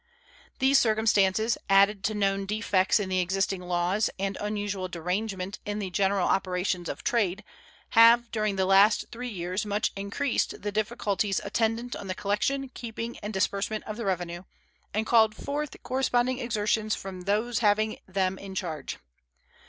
These circumstances, added to known defects in the existing laws and unusual derangement in the general operations of trade, have during the last three years much increased the difficulties attendant on the collection, keeping, and disbursement of the revenue, and called forth corresponding exertions from those having them in charge.